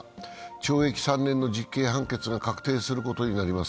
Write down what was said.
懲役３年の実刑判決が確定することになります。